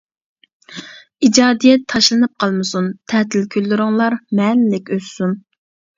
ئىجادىيەت تاشلىنىپ قالمىسۇن، تەتىل كۈنلىرىڭلار مەنىلىك ئۆتسۇن!